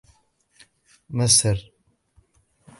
ما السر ؟